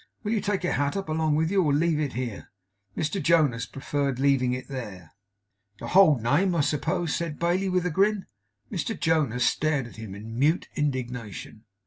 'Will you take your hat up along with you, or leave it here?' Mr Jonas preferred leaving it there. 'The hold name, I suppose?' said Bailey, with a grin. Mr Jonas stared at him in mute indignation.